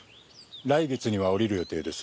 来月には下りる予定です。